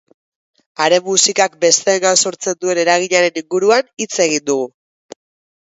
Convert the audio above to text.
Haren musikak besteengan sortzen duen eraginaren inguruan hitz egin dugu.